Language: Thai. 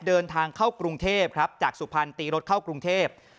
เดินทางเข้ากรุงเทพครับจากสุพรรณตีรถเข้ากรุงเทพ